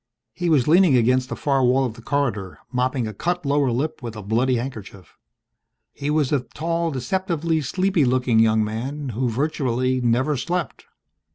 He was leaning against the far wall of the corridor, mopping a cut lower lip with a bloody handkerchief. He was a tall, deceptively sleepy looking young man who virtually never slept.